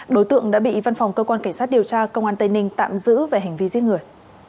đối tượng đã bị văn phòng cơ quan cảnh sát điều tra công an tây ninh tạm giữ về hành vi giết người